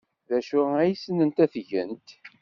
D acu ay ssnent ad t-gent?